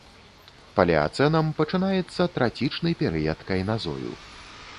Палеацэнам пачынаецца трацічны перыяд кайназою.